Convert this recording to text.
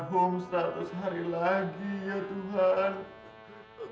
home seratus hari lagi ya tuhan